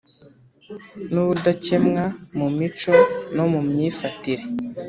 N ubudakemwa mu mico no mu myifatire